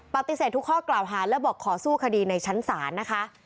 ปฏิเสธทุกข้อกล่าวหาและบอกขอสู้คดีในชั้นศาลนะคะ